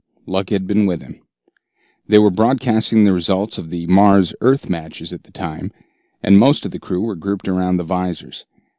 Luck had been with him. They were broadcasting the results of the Mars Earth matches at the time, and most of the crew were grouped around the visors.